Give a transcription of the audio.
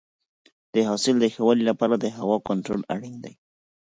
د حاصل د ښه والي لپاره د هوا کنټرول اړین دی.